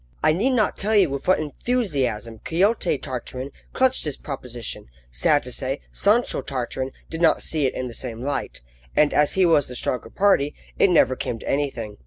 I need not tell you with what enthusiasm Quixote Tartarin clutched this proposition; sad to say, Sancho Tartarin did not see it in the same light, and, as he was the stronger party, it never came to anything.